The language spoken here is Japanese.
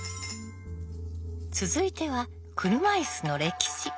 続いては車いすの歴史。